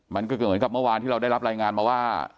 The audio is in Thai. มันก็เหมือนกับเมื่อวานที่เราได้รับรายงานมาว่า